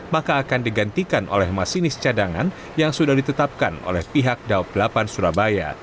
maka akan digantikan oleh masinis cadangan yang sudah ditetapkan oleh pihak daob delapan surabaya